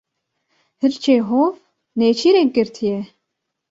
Hirçê hov nêçîrek girtiye.